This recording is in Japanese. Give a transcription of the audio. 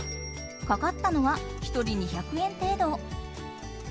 かかったのは１人２００円程度。